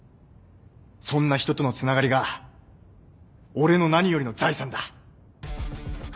そんな人とのつながりが俺の何よりの財産だ。